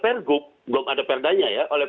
pergub belum ada perdanya ya oleh